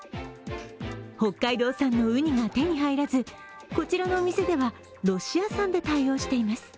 北海道産のうにが手に入らず、こちらのお店では、ロシア産で対応しています。